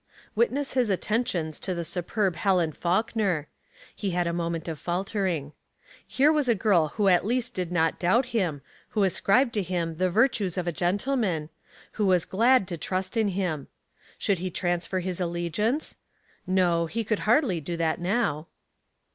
Witness his attentions to the supurb Helen Faulkner. He had a moment of faltering. Here was a girl who at least did not doubt him, who ascribed to him the virtues of a gentleman, who was glad to trust in him. Should he transfer his allegiance? No, he could hardly do that now.